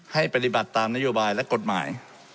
ให้ปฏิบัติตามนโยบายและกฎหมาย